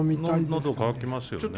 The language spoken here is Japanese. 喉渇きますよね？